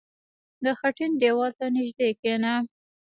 • د خټین دیوال ته نژدې کښېنه.